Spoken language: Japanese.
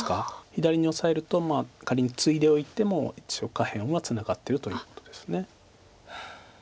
左にオサえると仮にツイでおいても一応下辺はツナがってるということです。